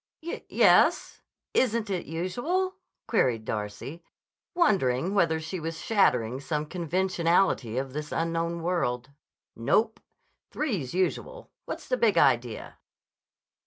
"Y y yes. Isn't it usual?" queried Darcy, wondering whether she was shattering some conventionality of this unknown world. "Nope. Three's usual. What's the big idea?"